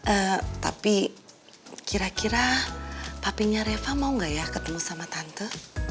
eh tapi kira kira tapinya reva mau gak ya ketemu sama tante